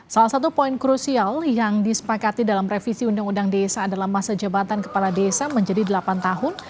salah satu poin krusial yang disepakati dalam revisi undang undang desa adalah masa jabatan kepala desa menjadi delapan tahun